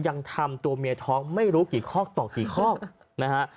ยังทำตัวเมียท้องไม่รู้กี่คอกต่อกี่คอกนะฮะ